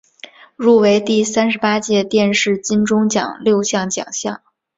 入围第三十八届电视金钟奖六项奖项。